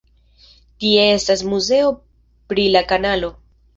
Tie estas muzeo pri la kanalo.